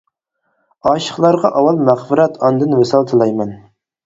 ئاشىقلارغا ئاۋۋال مەغپىرەت، ئاندىن ۋىسال تىلەيمەن!